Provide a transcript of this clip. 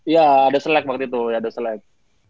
ya ada selek waktu itu ya ada selek